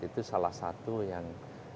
itu salah satu yang